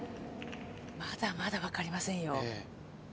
まだまだ分かりませんよ。